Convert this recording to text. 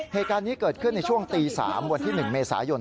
เหตุการณ์นี้เกิดขึ้นในช่วงตี๓วันที่๑เมษายน